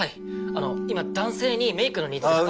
あの今男性にメイクのニーズが。